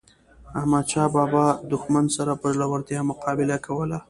احمد شاه بابا د دښمن سره په زړورتیا مقابله کوله.